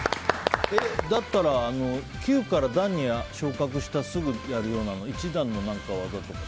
だったら、級から段に昇格してすぐやるような、１段の技とか。